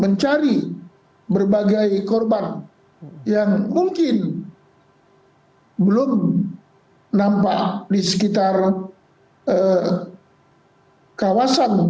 mencari berbagai korban yang mungkin belum nampak di sekitar kawasan